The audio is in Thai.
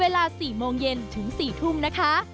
เวลา๔โมงเย็นถึง๔ทุ่มนะคะ